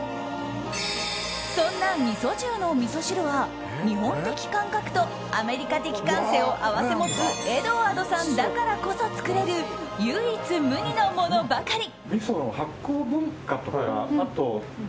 そんなＭＩＳＯＪＹＵのみそ汁は日本的感覚とアメリカ的感性を併せ持つエドワードさんだからこそ作れる唯一無二のものばかり。